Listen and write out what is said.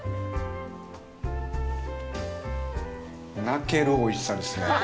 泣けるおいしさですね。